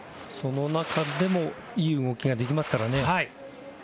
その中でもいい動きができますからね。